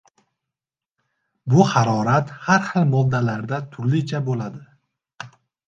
Bu harorat har xil moddalarda turlicha bo’ladi